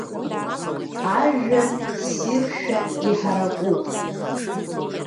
Ажәҩан ссиршәа иҳаракуп.